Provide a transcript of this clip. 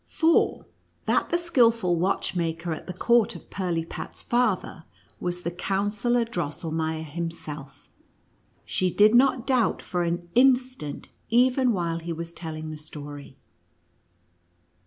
For, that the skilful watchmaker at the court of Pir lipat's father was the Counsellor Drosselmeier himself, she did not doubt for an instant, even while he was telling the story.